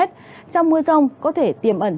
trong mưa rông có thể tiềm ẩn